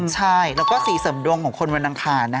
ใช่แล้วก็สีเสริมดวงของคนวันอังคารนะ